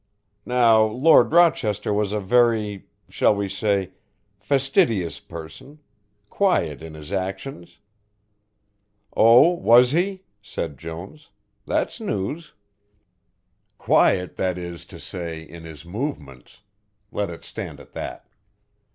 Now Lord Rochester was a very, shall we say, fastidious person, quiet in his actions." "Oh, was he," said Jones, "that's news." "Quiet, that is to say, in his movements let it stand at that.